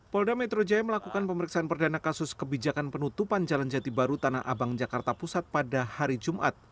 polda metro jaya melakukan pemeriksaan perdana kasus kebijakan penutupan jalan jati baru tanah abang jakarta pusat pada hari jumat